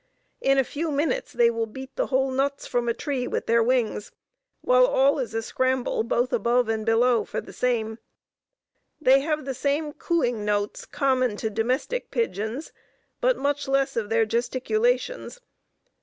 In a few minutes they will beat the whole nuts from a tree with their wings, while all is a scramble, both above and below, for the same. They have the same cooing notes common to domestic pigeons, but much less of their gesticulations.